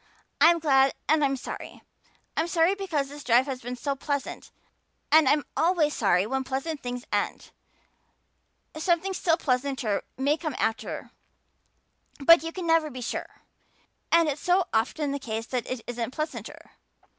I'm glad and I'm sorry. I'm sorry because this drive has been so pleasant and I'm always sorry when pleasant things end. Something still pleasanter may come after, but you can never be sure. And it's so often the case that it isn't pleasanter.